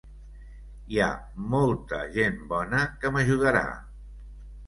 Hi ha molta gent bona que m’ajudarà.